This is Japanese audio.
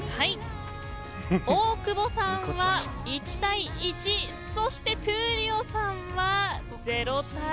大久保さんは１対１そして闘莉王さんは、０対０。